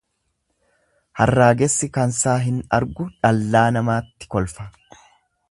Harraagessi kansaa hin argu dhallaa namaatti kolfa.